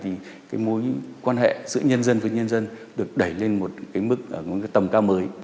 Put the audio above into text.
thì mối quan hệ giữa nhân dân với nhân dân được đẩy lên một mức tầm cao mới